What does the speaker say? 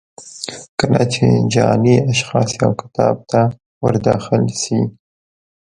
کله چې جعلي اشخاص یو کتاب ته ور داخل شي.